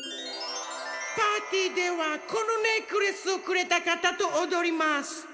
パーティーではこのネックレスをくれたかたとおどります。